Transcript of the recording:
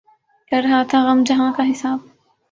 کر رہا تھا غم جہاں کا حساب